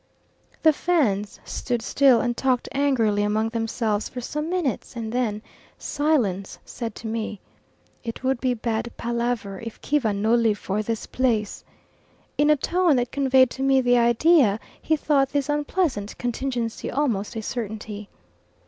The Fans stood still and talked angrily among themselves for some minutes, and then, Silence said to me, "It would be bad palaver if Kiva no live for this place," in a tone that conveyed to me the idea he thought this unpleasant contingency almost a certainty.